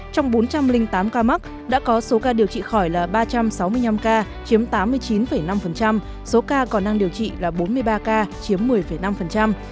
trong bốn trăm linh tám ca mắc đã có số ca điều trị khỏi là ba trăm sáu mươi năm ca chiếm tám mươi chín năm số ca còn đang điều trị là bốn mươi ba ca chiếm một mươi năm